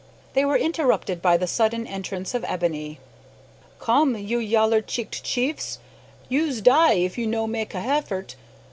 They were interrupted by the sudden entrance of Ebony. "Come, you yaller cheeked chiefs; you's die if you no make a heffort.